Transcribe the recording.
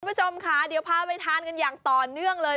คุณผู้ชมค่ะเดี๋ยวพาไปทานกันอย่างต่อเนื่องเลย